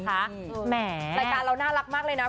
รายการเราน่ารักมากเลยนะ